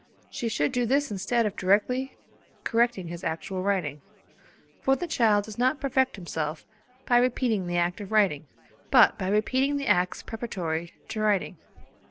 She should do this instead of directly correcting his actual writing, for the child does not perfect himself by repeating the act of writing, but by repeating the acts preparatory to writing.